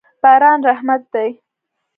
باران رحمت دی.